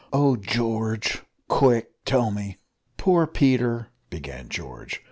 "Oh! George! quick, tell me!" "Poor Peter," began George.